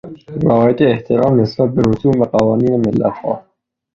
رعایت احترام نسبت به رسوم و قوانین ملتها